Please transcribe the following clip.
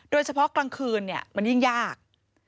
โดยเฉพาะกลางคืนมันยิ่งยาก